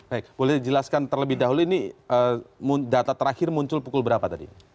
baik boleh dijelaskan terlebih dahulu ini data terakhir muncul pukul berapa tadi